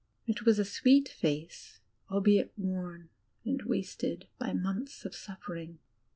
It was a sweet face, albeit worn and wasted by months of suffering.